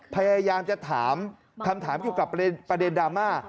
พยายามจะถามคำถามเกี่ยวกับประเด็นดราม่า